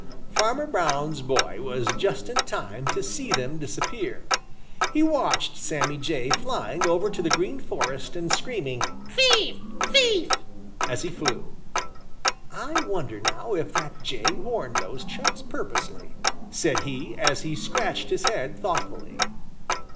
Farmer Brown's boy was just in time to see them disappear. He watched Sammy Jay flying over to the Green Forest and screaming "Thief! thief!" as he flew. "I wonder now if that jay warned those chucks purposely," said he, as he scratched his head thoughtfully.